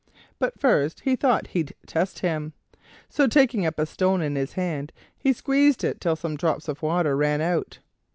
But first he thought he'd test him; so taking up a stone in his hand, he squeezed it till some drops of water ran out.